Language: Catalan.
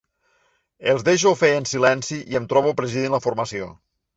Els deixo fer en silenci i em trobo presidint la formació.